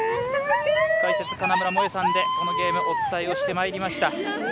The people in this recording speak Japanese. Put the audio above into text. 解説、金村萌絵さんでこのゲームお伝えしていきました。